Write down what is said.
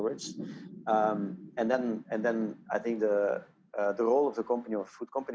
peran dari perusahaan makanan